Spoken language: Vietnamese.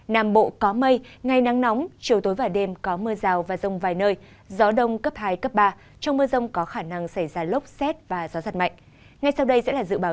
bắc bộ có mây ngày có mưa rào và rông vài nơi đêm có mưa mưa rào và dài rác có rông